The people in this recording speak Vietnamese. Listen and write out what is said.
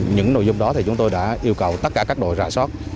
những nội dung đó thì chúng tôi đã yêu cầu tất cả các đội ra sót